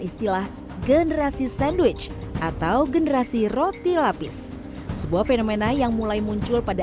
istilah generasi sandwich atau generasi roti lapis sebuah fenomena yang mulai muncul pada